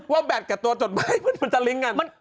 แบตกับตัวจดหมายมันจะลิงก์กัน